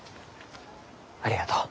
ありがとう。